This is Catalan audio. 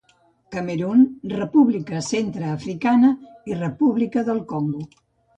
Camerun, República Centreafricana i República del Congo.